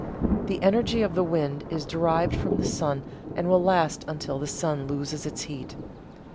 The energy of the wind is derived from the sun and will last until the sun loses its heat.